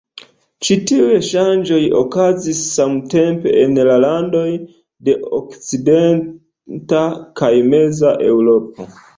Ĉi tiuj ŝanĝoj okazis samtempe en la landoj de okcidenta kaj meza Eŭropo.